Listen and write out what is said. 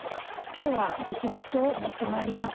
今日は実物を持ってまいりました。